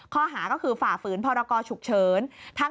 ข้อหาก็คือฝ่าฝืนพรกรฉุกเฉิน